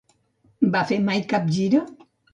Va fer mai cap gira?